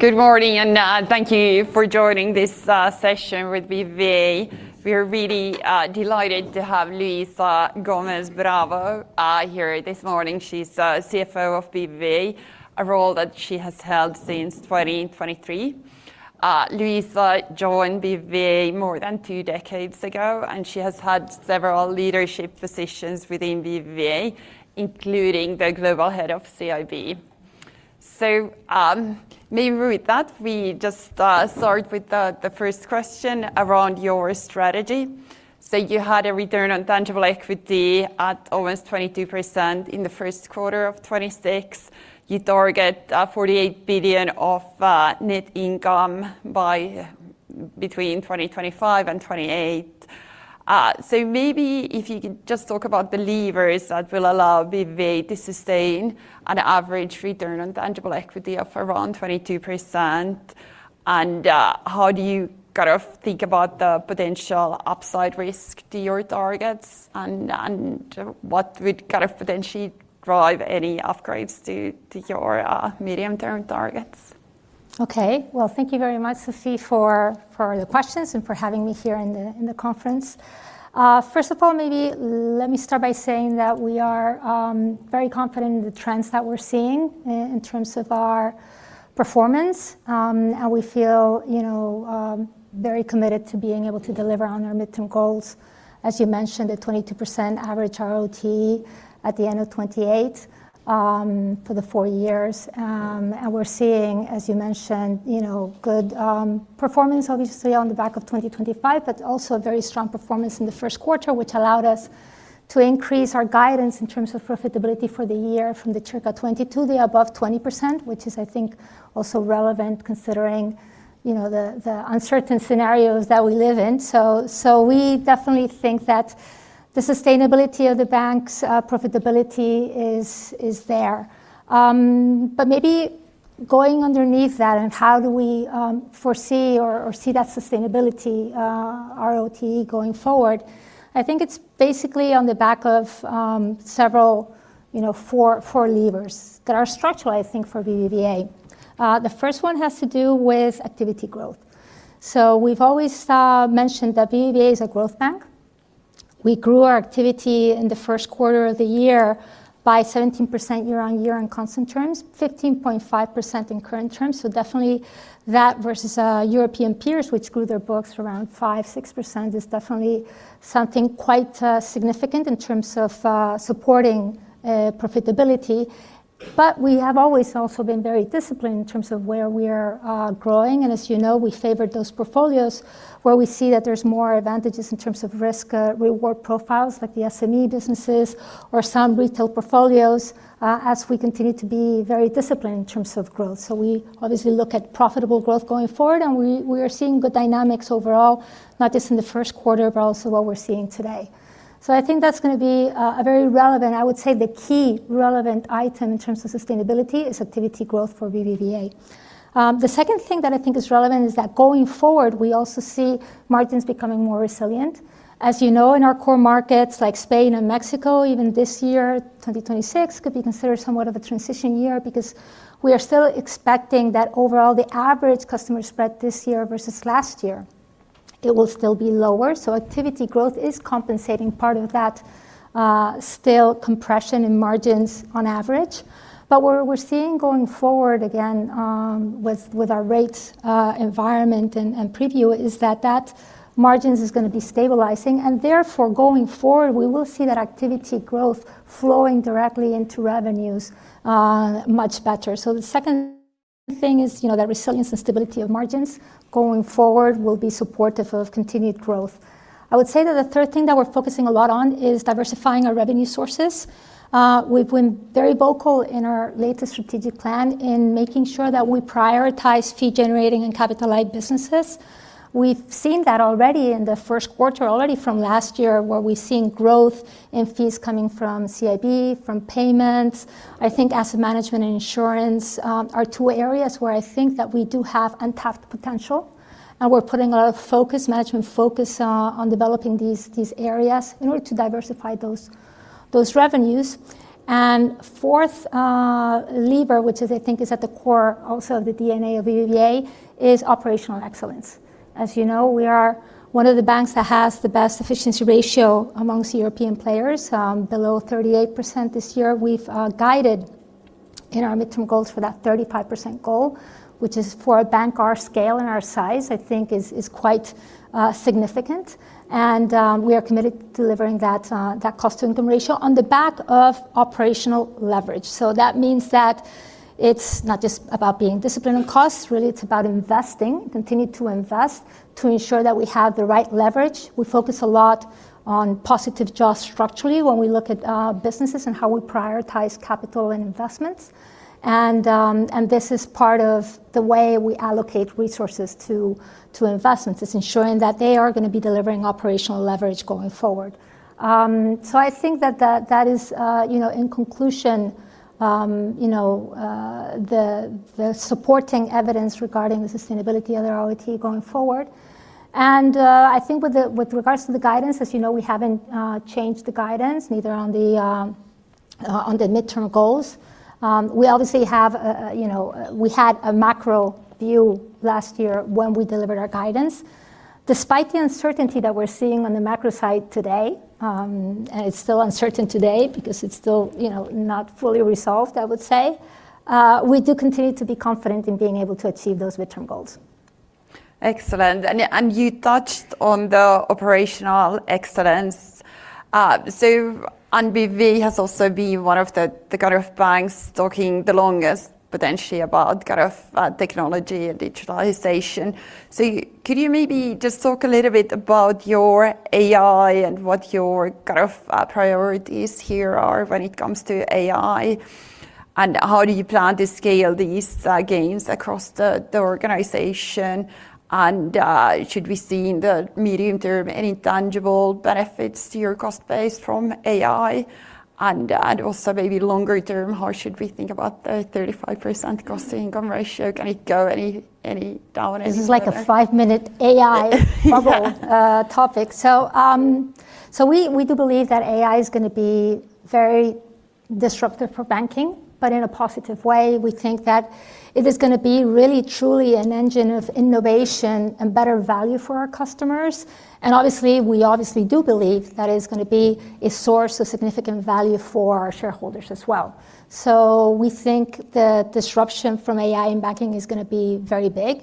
Good morning, thank you for joining this session with BBVA. We are really delighted to have Luisa Gómez Bravo here this morning. She's CFO of BBVA, a role that she has held since 2023. Luisa joined BBVA more than two decades ago, and she has had several leadership positions within BBVA, including the global head of CIB. Maybe with that, we just start with the first question around your strategy. You had a return on tangible equity at almost 22% in the first quarter of 2026. You target 48 billion of net income between 2025 and 2028. Maybe if you could just talk about the levers that will allow BBVA to sustain an average return on tangible equity of around 22%. How do you think about the potential upside risk to your targets, and what would potentially drive any upgrades to your medium-term targets? Well, thank you very much, Sophie, for the questions and for having me here in the conference. First of all, maybe let me start by saying that we are very confident in the trends that we're seeing in terms of our performance. We feel very committed to being able to deliver on our midterm goals, as you mentioned, a 22% average ROTE at the end of 2028, for the four years. We're seeing, as you mentioned, good performance obviously on the back of 2025, but also a very strong performance in the first quarter, which allowed us to increase our guidance in terms of profitability for the year from the target 20% to the above 20%, which is, I think, also relevant considering the uncertain scenarios that we live in. We definitely think that the sustainability of the bank's profitability is there. Maybe going underneath that and how do we foresee or see that sustainability, ROTE going forward, I think it's basically on the back of four levers that are structural, I think, for BBVA. The first one has to do with activity growth. We've always mentioned that BBVA is a growth bank. We grew our activity in the first quarter of the year by 17% year-on-year in constant terms, 15.5% in current terms. Definitely that versus European peers, which grew their books around 5%, 6%, is definitely something quite significant in terms of supporting profitability. We have always also been very disciplined in terms of where we are growing, and as you know, we favored those portfolios where we see that there's more advantages in terms of risk-reward profiles, like the SME businesses or some retail portfolios, as we continue to be very disciplined in terms of growth. We obviously look at profitable growth going forward, and we are seeing good dynamics overall, not just in the first quarter, but also what we're seeing today. I think that's going to be a very relevant, I would say the key relevant item in terms of sustainability is activity growth for BBVA. The second thing that I think is relevant is that going forward, we also see margins becoming more resilient. As you know, in our core markets like Spain and Mexico, even this year, 2026, could be considered somewhat of a transition year because we are still expecting that overall, the average customer spread this year versus last year, it will still be lower. Activity growth is compensating part of that still compression in margins on average. What we're seeing going forward, again, with our rates environment and preview, is that margins is going to be stabilizing, and therefore, going forward, we will see that activity growth flowing directly into revenues much better. The second thing is the resilience and stability of margins going forward will be supportive of continued growth. I would say that the third thing that we're focusing a lot on is diversifying our revenue sources. We've been very vocal in our latest strategic plan in making sure that we prioritize fee-generating and capitalized businesses. We've seen that already in the first quarter, already from last year, where we're seeing growth in fees coming from CIB, from payments. I think asset management and insurance are two areas where I think that we do have untapped potential, and we're putting a lot of management focus on developing these areas in order to diversify those revenues. Fourth lever, which I think is at the core also of the DNA of BBVA, is operational excellence. As you know, we are one of the banks that has the best efficiency ratio amongst European players, below 38% this year. We've guided in our midterm goals for that 35% goal, which is for a bank our scale and our size, I think is quite significant. We are committed to delivering that cost-to-income ratio on the back of operational leverage. That means that it's not just about being disciplined on costs. Really, it's about investing, continue to invest to ensure that we have the right leverage. We focus a lot on positive jaws structurally when we look at businesses and how we prioritize capital and investments. This is part of the way we allocate resources to investments, is ensuring that they are going to be delivering operational leverage going forward. I think that is in conclusion the supporting evidence regarding the sustainability of the ROTE going forward. I think with regards to the guidance, as you know, we haven't changed the guidance neither on the midterm goals. We obviously had a macro view last year when we delivered our guidance. Despite the uncertainty that we're seeing on the macro side today, and it's still uncertain today because it's still not fully resolved, I would say, we do continue to be confident in being able to achieve those midterm goals. Excellent. You touched on the operational excellence. BBVA has also been one of the kind of banks talking the longest potentially about technology and digitalization. Could you maybe just talk a little bit about your AI and what your kind of priorities here are when it comes to AI, and how do you plan to scale these gains across the organization, and should we see in the medium term any tangible benefits to your cost base from AI? Also, maybe longer term, how should we think about the 35% cost-to-income ratio? Can it go any down any further? This is like a five-minute AI bubble topic. We do believe that AI is going to be very disruptive for banking, but in a positive way. We think that it is going to be really truly an engine of innovation and better value for our customers. Obviously, we obviously do believe that it's going to be a source of significant value for our shareholders as well. We think the disruption from AI in banking is going to be very big.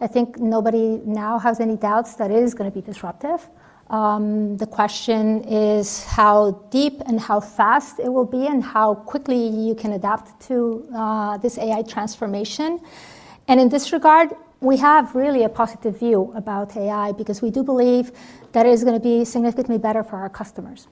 I think nobody now has any doubts that it is going to be disruptive. The question is how deep and how fast it will be, and how quickly you can adapt to this AI Transformation. In this regard, we have really a positive view about AI because we do believe that it is going to be significantly better for our customers.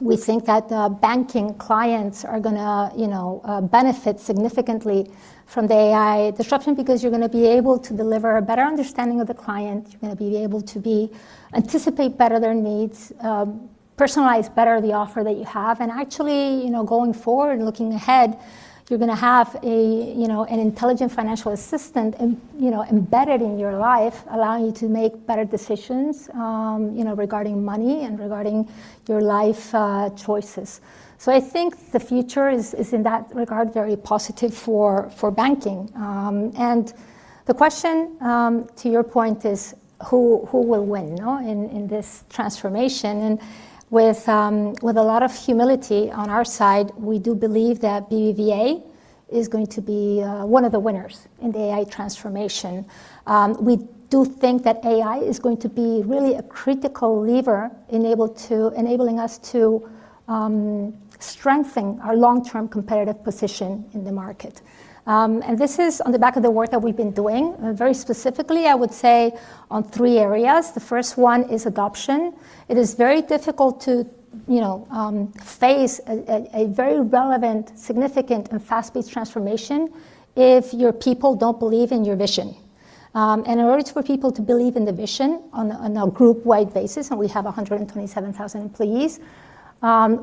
We think that the banking clients are going to benefit significantly from the AI disruption because you're going to be able to deliver a better understanding of the client. You're going to be able to anticipate better their needs, personalize better the offer that you have, and actually going forward, looking ahead, you're going to have an intelligent financial assistant embedded in your life, allowing you to make better decisions regarding money and regarding your life choices. I think the future is in that regard very positive for banking. The question, to your point, is who will win in this transformation? With a lot of humility on our side, we do believe that BBVA is going to be one of the winners in the AI Transformation. We do think that AI is going to be really a critical lever, enabling us to strengthen our long-term competitive position in the market. This is on the back of the work that we've been doing, very specifically I would say on three areas. The first one is adoption. It is very difficult to face a very relevant, significant, and fast-paced transformation if your people don't believe in your vision. In order for people to believe in the vision on a group-wide basis, and we have 127,000 employees,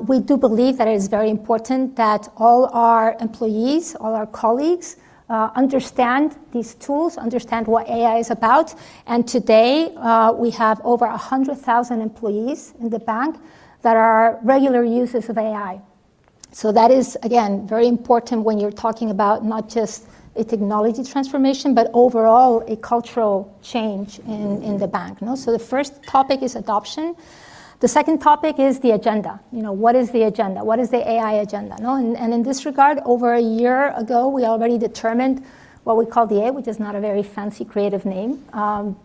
we do believe that it is very important that all our employees, all our colleagues, understand these tools, understand what AI is about. Today, we have over 100,000 employees in the bank that are regular users of AI. That is, again, very important when you're talking about not just a technology transformation, but overall a cultural change in the bank. The first topic is adoption. The second topic is the agenda. What is the agenda? What is the AI agenda? In this regard, over a year ago, we already determined what we call The Eight, which is not a very fancy creative name,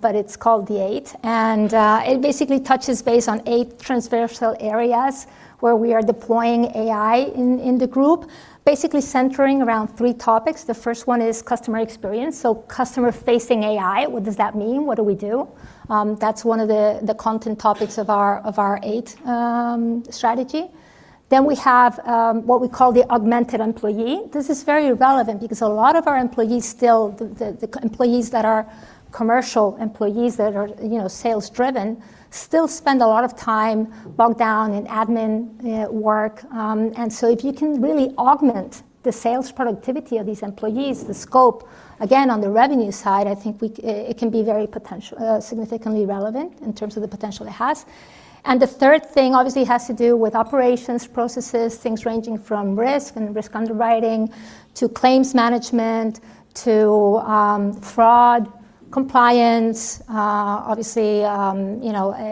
but it's called The Eight, and it basically touches base on eight transversal areas where we are deploying AI in the group, basically centering around three topics. The first one is customer experience, so customer-facing AI. What does that mean? What do we do? That's one of the content topics of our Eight strategy. We have what we call the augmented employee. This is very relevant because a lot of our employees still, the employees that are commercial employees, that are sales-driven, still spend a lot of time bogged down in admin work. If you can really augment the sales productivity of these employees, the scope, again, on the revenue side, I think it can be very significantly relevant in terms of the potential it has. The third thing obviously has to do with operations processes, things ranging from risk and risk underwriting to claims management, to fraud compliance, obviously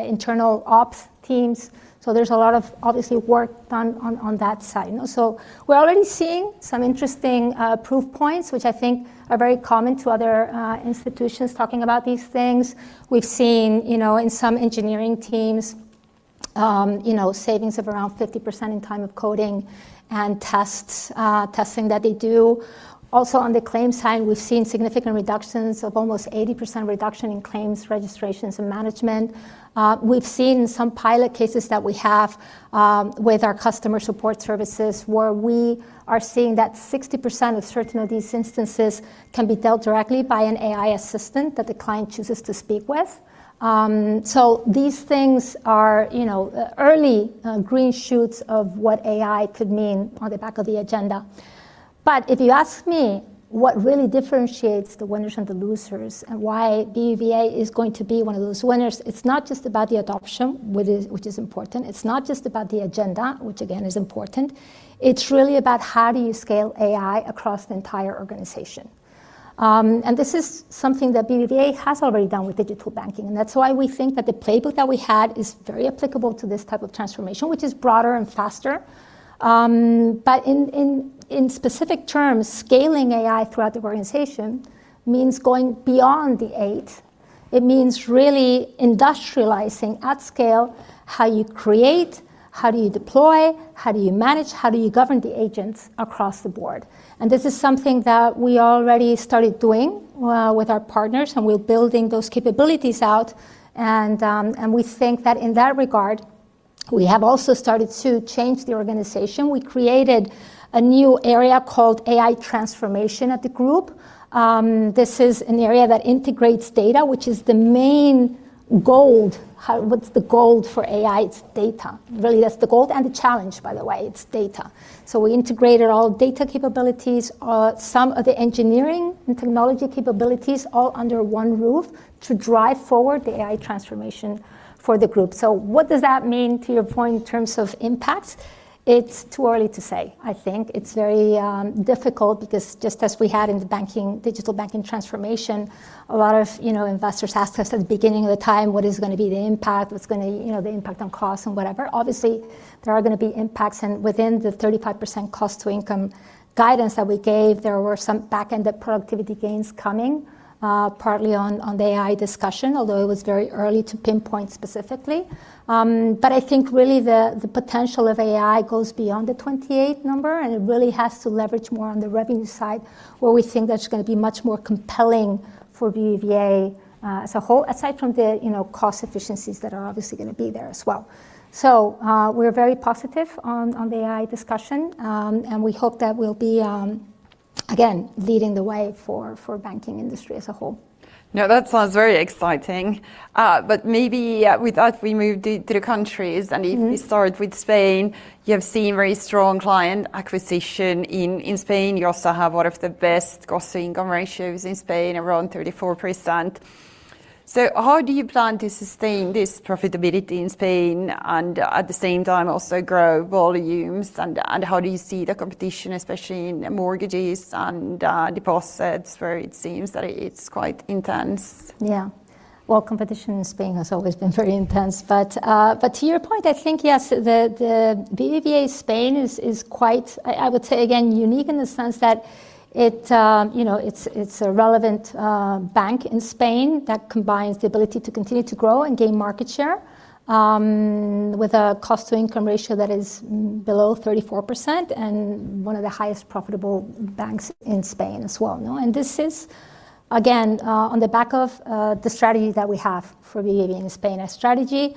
internal ops teams. There's a lot of obviously work done on that side. We're already seeing some interesting proof points, which I think are very common to other institutions talking about these things. We've seen in some engineering teams savings of around 50% in time of coding and testing that they do. Also on the claims side, we've seen significant reductions of almost 80% reduction in claims registrations and management. We've seen some pilot cases that we have with our customer support services where we are seeing that 60% of certain of these instances can be dealt directly by an AI assistant that the client chooses to speak with. These things are early green shoots of what AI could mean on the back of the agenda. If you ask me what really differentiates the winners and the losers, and why BBVA is going to be one of those winners, it's not just about the adoption, which is important. It's not just about the agenda, which again, is important. It's really about how do you scale AI across the entire organization. This is something that BBVA has already done with digital banking, and that's why we think that the playbook that we had is very applicable to this type of transformation, which is broader and faster. In specific terms, scaling AI throughout the organization means going beyond The Eight. It means really industrializing at scale how you create, how do you deploy, how do you manage, how do you govern the agents across the board? This is something that we already started doing with our partners, and we're building those capabilities out, and we think that in that regard, we have also started to change the organization. We created a new area called AI Transformation at the group. This is an area that integrates data, which is the main gold. What's the gold for AI? It's data. Really, that's the gold and the challenge, by the way, it's data. We integrated all data capabilities, some of the engineering and technology capabilities, all under one roof to drive forward the AI Transformation for the Group. What does that mean to your point in terms of impacts? It's too early to say. I think it's very difficult because just as we had in the digital banking transformation, a lot of investors asked us at the beginning of the time, what is going to be the impact? What's going to be the impact on costs and whatever? Obviously, there are going to be impacts, and within the 35% cost-to-income guidance that we gave, there were some backend productivity gains coming, partly on the AI discussion, although it was very early to pinpoint specifically. I think really the potential of AI goes beyond the 28 number, and it really has to leverage more on the revenue side, where we think that's going to be much more compelling for BBVA as a whole, aside from the cost efficiencies that are obviously going to be there as well. We're very positive on the AI discussion, and we hope that we'll be, again, leading the way for banking industry as a whole. That sounds very exciting. Maybe we thought we move to the countries, and if we start with Spain, you have seen very strong client acquisition in Spain. You also have one of the best cost-income ratios in Spain, around 34%. How do you plan to sustain this profitability in Spain and at the same time also grow volumes? How do you see the competition, especially in mortgages and deposits, where it seems that it's quite intense? Well, competition in Spain has always been very intense. To your point, I think yes, the BBVA Spain is quite, I would say again, unique in the sense that it's a relevant bank in Spain that combines the ability to continue to grow and gain market share, with a cost-to-income ratio that is below 34% and one of the highest profitable banks in Spain as well. This is, again, on the back of the strategy that we have for BBVA in Spain, a strategy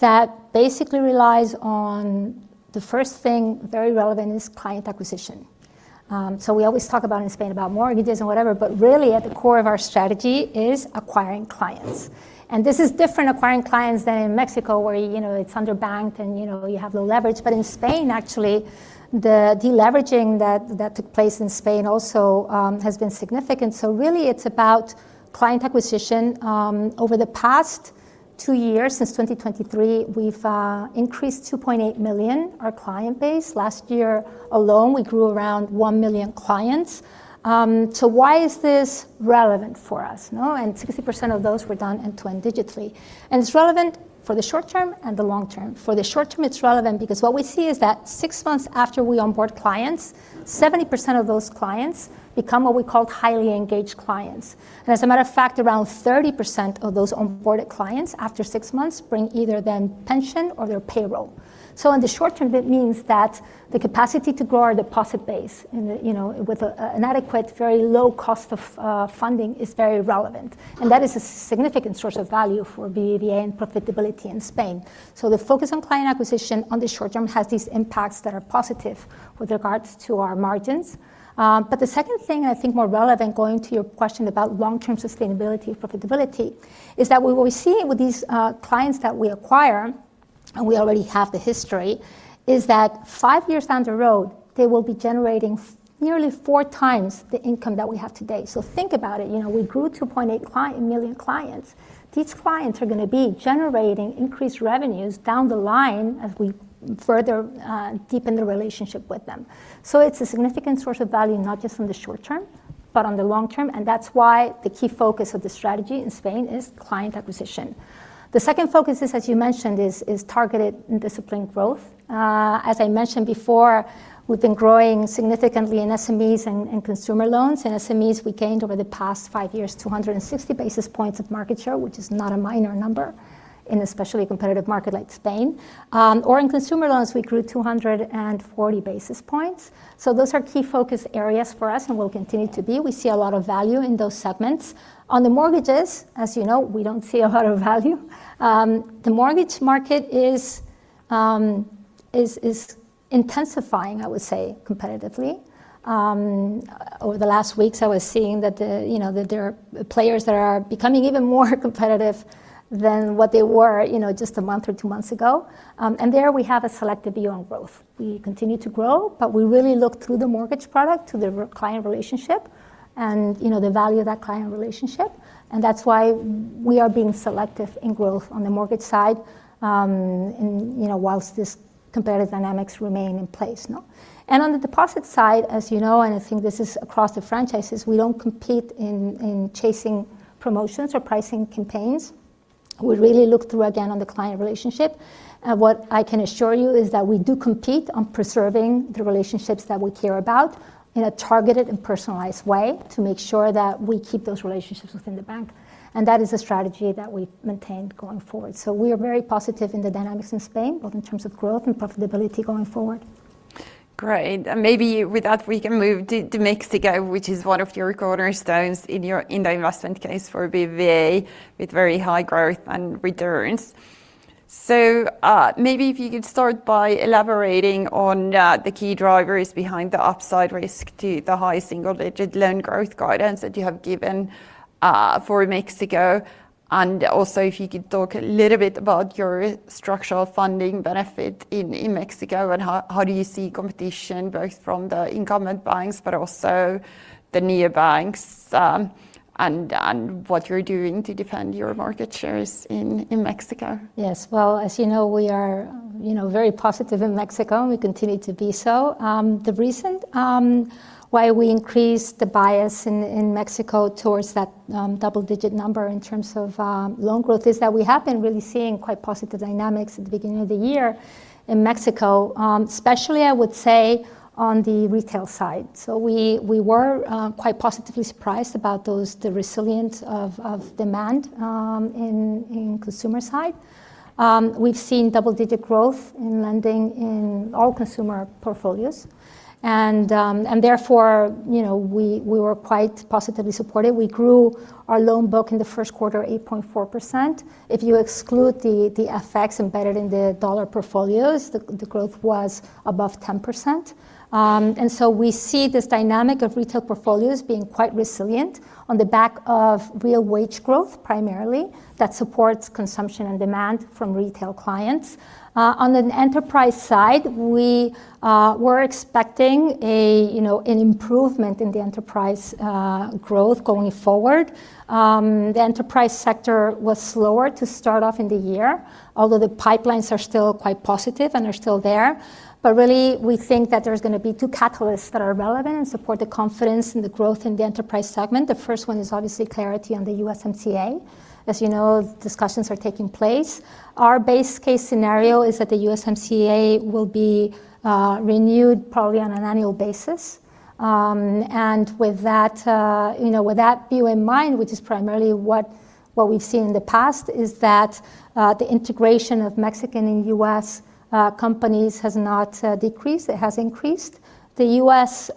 that basically relies on the first thing, very relevant, is client acquisition. We always talk about in Spain about mortgages and whatever, but really at the core of our strategy is acquiring clients. This is different acquiring clients than in Mexico where it's under-banked and you have low leverage. In Spain, actually, the deleveraging that took place in Spain also has been significant. Really it's about client acquisition. Over the past two years, since 2023, we've increased 2.8 million our client base. Last year alone, we grew around 1 million clients. Why is this relevant for us? 60% of those were done end-to-end digitally, and it's relevant for the short term and the long term. For the short term, it's relevant because what we see is that six months after we onboard clients, 70% of those clients become what we call highly engaged clients. As a matter of fact, around 30% of those onboarded clients after six months bring either their pension or their payroll. In the short term, that means that the capacity to grow our deposit base and with an adequate, very low cost of funding is very relevant. That is a significant source of value for BBVA and profitability in Spain. The focus on client acquisition on the short term has these impacts that are positive with regards to our margins. The second thing I think more relevant going to your question about long-term sustainability and profitability is that what we see with these clients that we acquire, and we already have the history, is that five years down the road, they will be generating nearly 4x the income that we have today. Think about it, we grew 2.8 million clients. These clients are going to be generating increased revenues down the line as we further deepen the relationship with them. It's a significant source of value, not just from the short term, but on the long term, and that's why the key focus of the strategy in Spain is client acquisition. The second focus is, as you mentioned, is targeted in disciplined growth. As I mentioned before, we've been growing significantly in SMEs and consumer loans. In SMEs, we gained over the past five years 260 basis points of market share, which is not a minor number in especially a competitive market like Spain. In consumer loans, we grew 240 basis points. Those are key focus areas for us and will continue to be. We see a lot of value in those segments. On the mortgages, as you know, we don't see a lot of value. The mortgage market is intensifying, I would say, competitively. Over the last weeks, I was seeing that there are players that are becoming even more competitive than what they were just a month or two months ago. There we have a selective view on growth. We continue to grow, but we really look to the mortgage product, to the client relationship, and the value of that client relationship. That's why we are being selective in growth on the mortgage side whilst these competitive dynamics remain in place. On the deposit side, as you know, and I think this is across the franchises, we don't compete in chasing promotions or pricing campaigns. We really look through, again, on the client relationship. What I can assure you is that we do compete on preserving the relationships that we care about in a targeted and personalized way to make sure that we keep those relationships within the bank, and that is a strategy that we maintain going forward. We are very positive in the dynamics in Spain, both in terms of growth and profitability going forward. Great. Maybe with that, we can move to Mexico, which is one of your cornerstones in the investment case for BBVA, with very high growth and returns? Maybe if you could start by elaborating on the key drivers behind the upside risk to the high single-digit loan growth guidance that you have given for Mexico, and also if you could talk a little bit about your structural funding benefit in Mexico, and how do you see competition, both from the incumbent banks but also the neobanks, and what you're doing to defend your market shares in Mexico? Well, as you know, we are very positive in Mexico, and we continue to be so. The reason why we increased the bias in Mexico towards that double-digit number in terms of loan growth is that we have been really seeing quite positive dynamics at the beginning of the year in Mexico, especially, I would say, on the retail side. We were quite positively surprised about the resilience of demand in consumer side. We've seen double-digit growth in lending in all consumer portfolios, and therefore, we were quite positively supported. We grew our loan book in the first quarter 8.4%. If you exclude the effects embedded in the dollar portfolios, the growth was above 10%. We see this dynamic of retail portfolios being quite resilient on the back of real wage growth, primarily, that supports consumption and demand from retail clients. On an enterprise side, we were expecting an improvement in the enterprise growth going forward. The enterprise sector was slower to start off in the year, although the pipelines are still quite positive and are still there. Really, we think that there's going to be two catalysts that are relevant and support the confidence in the growth in the enterprise segment. The first one is obviously clarity on the USMCA. As you know, discussions are taking place. Our base case scenario is that the USMCA will be renewed probably on an annual basis. With that view in mind, which is primarily what we've seen in the past, is that the integration of Mexican and U.S. companies has not decreased. It has increased. The U.S.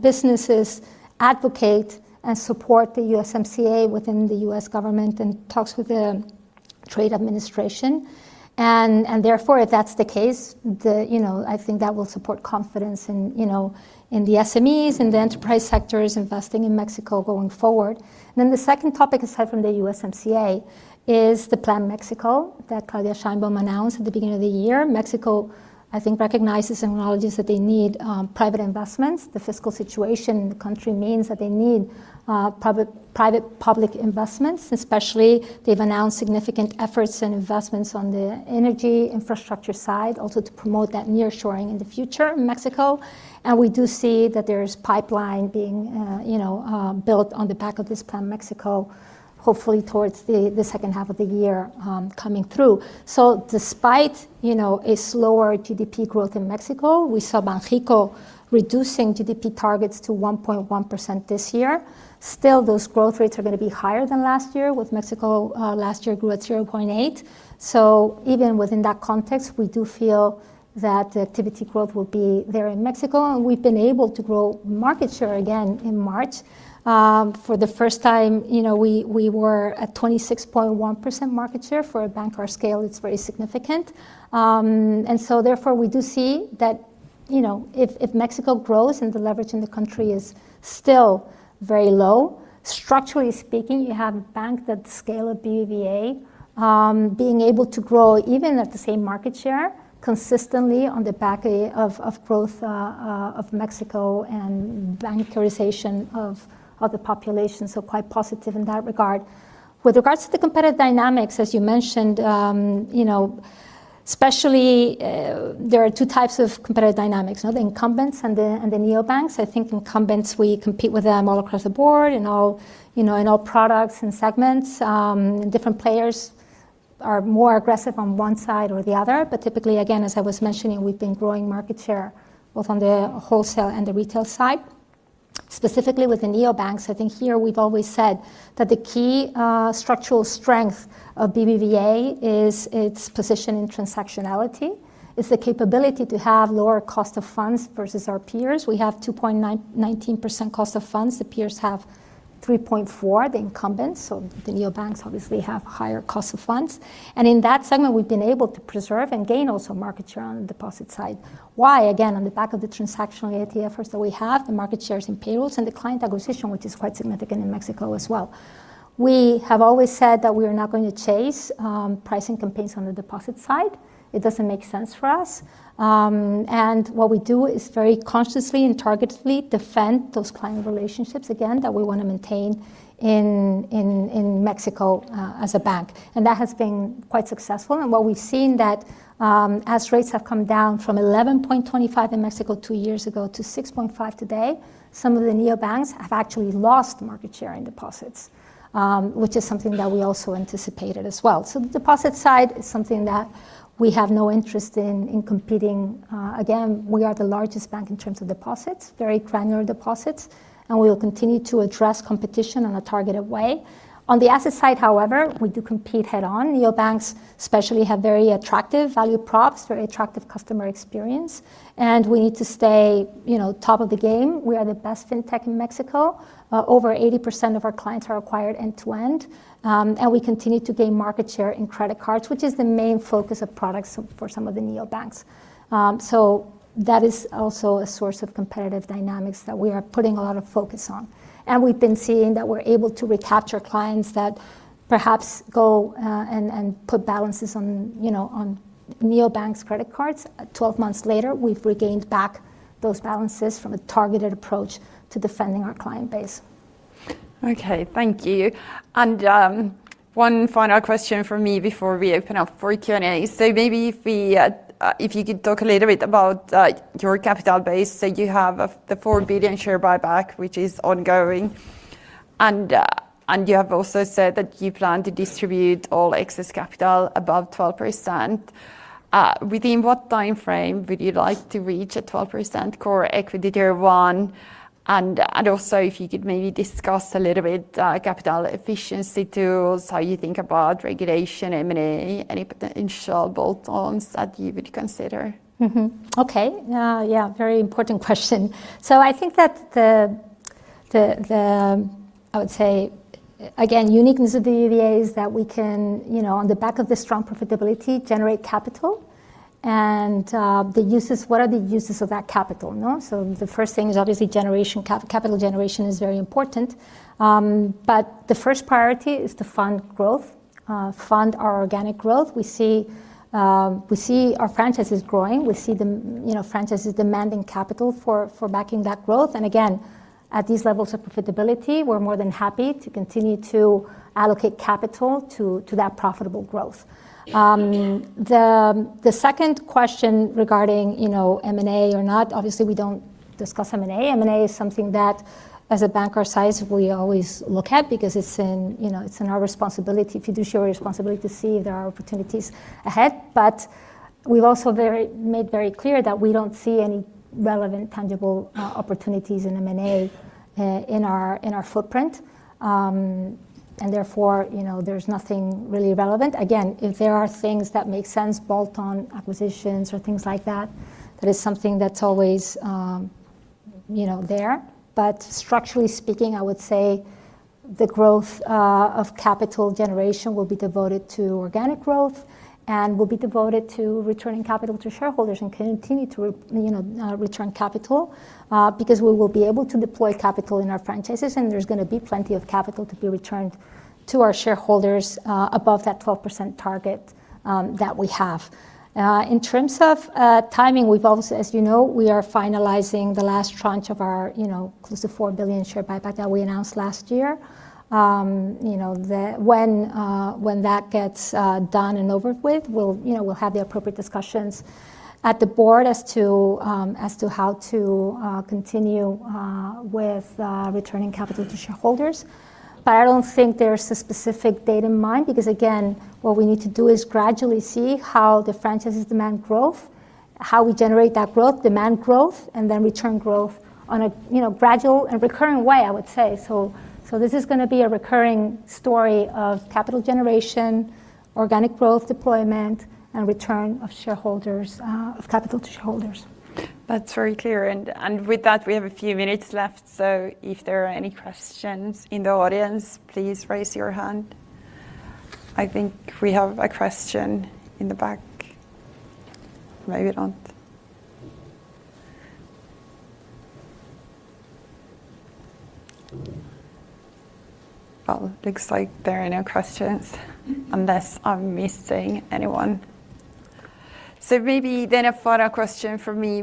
businesses advocate and support the USMCA within the U.S. government and talks with the trade administration. Therefore, if that's the case, I think that will support confidence in the SMEs and the enterprise sectors investing in Mexico going forward. The second topic aside from the USMCA is the Plan México that Claudia Sheinbaum announced at the beginning of the year. Mexico, I think, recognizes and acknowledges that they need private investments. The fiscal situation in the country means that they need private public investments, especially they've announced significant efforts and investments on the energy infrastructure side, also to promote that nearshoring in the future in Mexico. We do see that there's pipeline being built on the back of this Plan México, hopefully towards the second half of the year coming through. Despite a slower GDP growth in Mexico, we saw Banxico reducing GDP targets to 1.1% this year. Still, those growth rates are going to be higher than last year with Mexico last year grew at 0.8. Even within that context, we do feel that activity growth will be there in Mexico, and we've been able to grow market share again in March. For the first time, we were at 26.1% market share. For a bank our scale, it's very significant. Therefore, we do see that if Mexico grows and the leverage in the country is still very low, structurally speaking, you have a bank the scale of BBVA being able to grow even at the same market share consistently on the back of growth of Mexico and bancarization of the population. Quite positive in that regard. With regards to the competitive dynamics, as you mentioned, especially there are two types of competitive dynamics, the incumbents and the neobanks. I think incumbents, we compete with them all across the board in all products and segments. Different players are more aggressive on one side or the other, but typically, again, as I was mentioning, we've been growing market share both on the wholesale and the retail side. Specifically with the neobanks, I think here we've always said that the key structural strength of BBVA is its position in transactionality. It's the capability to have lower cost of funds versus our peers. We have 2.19% cost of funds. The peers have 3.4%, the incumbents. The neobanks obviously have higher cost of funds. In that segment, we've been able to preserve and gain also market share on the deposit side. Why? Again, on the back of the transactional ETFs that we have, the market shares in payrolls, and the client acquisition, which is quite significant in Mexico as well. We have always said that we are not going to chase pricing competition on the deposit side. It doesn't make sense for us. What we do is very consciously and targetedly defend those client relationships, again, that we want to maintain in Mexico as a bank. That has been quite successful. What we've seen that, as rates have come down from 11.25 in Mexico two years ago to 6.5 today, some of the neobanks have actually lost market share in deposits, which is something that we also anticipated as well. The deposit side is something that we have no interest in competing. Again, we are the largest bank in terms of deposits, very granular deposits, and we will continue to address competition in a targeted way. On the asset side, however, we do compete head-on. Neobanks especially, have very attractive value props, very attractive customer experience, and we need to stay top of the game. We are the best fintech in Mexico. Over 80% of our clients are acquired end-to-end. We continue to gain market share in credit cards, which is the main focus of products for some of the neobanks. That is also a source of competitive dynamics that we are putting a lot of focus on. We've been seeing that we're able to recapture clients that perhaps go and put balances on neobanks credit cards. 12 months later, we've regained back those balances from a targeted approach to defending our client base. Okay. Thank you. One final question from me before we open up for Q&A. Maybe if you could talk a little bit about your capital base? You have the 4 billion share buyback, which is ongoing, and you have also said that you plan to distribute all excess capital above 12%. Within what time frame would you like to reach a 12% Core Equity Tier 1? Also, if you could maybe discuss a little bit capital efficiency tool, how you think about regulation, M&A, any potential bolt-ons that you would consider? Okay. Yeah. Very important question. I think that the, I would say again, uniqueness of the BBVA is that we can, on the back of the strong profitability, generate capital. What are the uses of that capital? No? The first thing is obviously capital generation is very important. The first priority is to fund our organic growth. We see our franchise is growing. We see the franchises demanding capital for backing that growth. Again, at these levels of profitability, we're more than happy to continue to allocate capital to that profitable growth. The second question regarding M&A or not, obviously we don't discuss M&A. M&A is something that, as a bank our size, we always look at because it's in our fiduciary responsibility to see if there are opportunities ahead. We've also made very clear that we don't see any relevant, tangible opportunities in M&A in our footprint. Therefore, there's nothing really relevant. Again, if there are things that make sense, bolt-on acquisitions or things like that is something that's always there. Structurally speaking, I would say the growth of capital generation will be devoted to organic growth and will be devoted to returning capital to shareholders and continue to return capital, because we will be able to deploy capital in our franchises, and there's going to be plenty of capital to be returned to our shareholders above that 12% target that we have. In terms of timing, as you know, we are finalizing the last tranche of our close to 4 billion share buyback that we announced last year. When that gets done and over with, we'll have the appropriate discussions at the Board as to how to continue with returning capital to shareholders. I don't think there's a specific date in mind, because again, what we need to do is gradually see how the franchises demand growth, how we generate that growth, demand growth, and then return growth on a gradual and recurring way, I would say. This is going to be a recurring story of capital generation, organic growth deployment, and return of capital to shareholders. That's very clear. With that, we have a few minutes left, so if there are any questions in the audience, please raise your hand. I think we have a question in the back. Maybe we don't. Well, looks like there are no questions, unless I'm missing anyone. Maybe then a final question from me.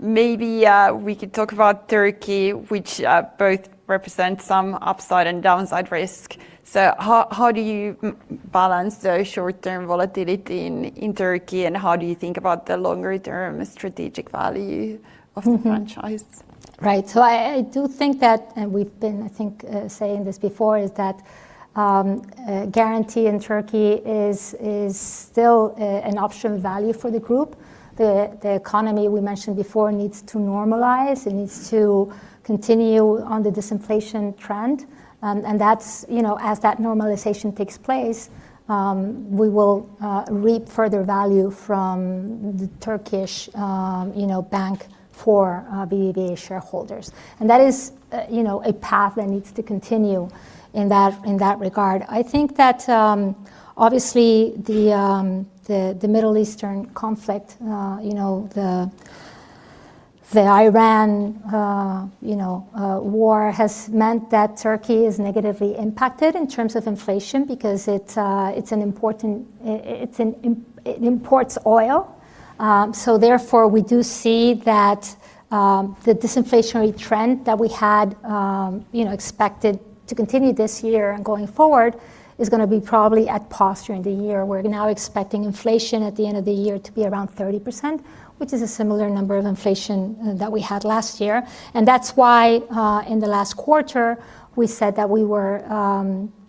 Maybe we could talk about Turkey, which both represents some upside and downside risk. How do you balance the short-term volatility in Turkey, and how do you think about the longer-term strategic value of the franchise? Right. I do think that, and we've been, I think, saying this before, is that Garanti in Turkey is still an optional value for the group. The economy, we mentioned before, needs to normalize. It needs to continue on the disinflation trend. As that normalization takes place, we will reap further value from the Turkish bank for BBVA shareholders. That is a path that needs to continue in that regard. I think that, obviously the Middle Eastern conflict, the Iran War has meant that Turkey is negatively impacted in terms of inflation because it imports oil. Therefore, we do see that the disinflationary trend that we had expected to continue this year and going forward is going to be probably at pause during the year. We're now expecting inflation at the end of the year to be around 30%, which is a similar number of inflation that we had last year. That's why, in the last quarter, we said that we were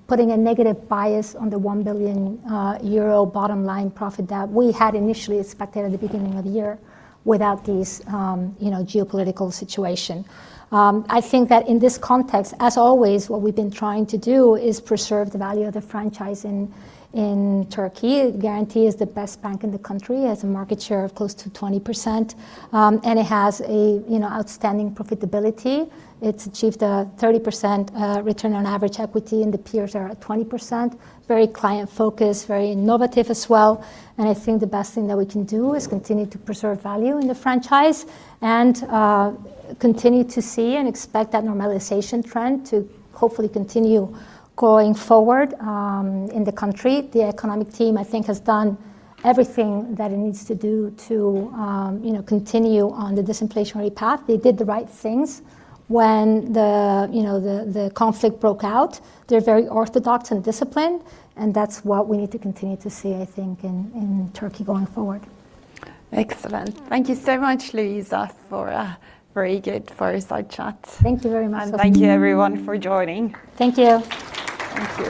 putting a negative bias on the 1 billion euro bottom-line profit that we had initially expected at the beginning of the year without this geopolitical situation. I think that in this context, as always, what we've been trying to do is preserve the value of the franchise in Turkey. Garanti is the best bank in the country, has a market share of close to 20%, and it has outstanding profitability. It's achieved a 30% return on average equity, and the peers are at 20%. Very client-focused, very innovative as well. I think the best thing that we can do is continue to preserve value in the franchise and continue to see and expect that normalization trend to hopefully continue going forward in the country. The economic team, I think, has done everything that it needs to do to continue on the disinflationary path. They did the right things when the conflict broke out. They're very orthodox and disciplined, and that's what we need to continue to see, I think, in Turkey going forward. Excellent. Thank you so much, Luisa, for a very good fireside chat. Thank you very much. Thank you everyone for joining. Thank you. Thank you.